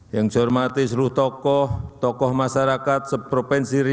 yang saya hormati seluruh tokoh tokoh masyarakat se provence rio